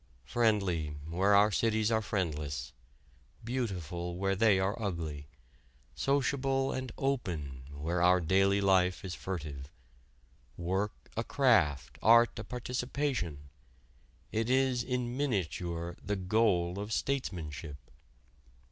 Friendly, where our cities are friendless, beautiful, where they are ugly; sociable and open, where our daily life is furtive; work a craft; art a participation it is in miniature the goal of statesmanship.